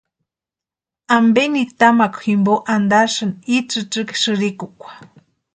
¿Ampe nitamakwa jimpo antarasïni i tsïtsïki sïrikukwa?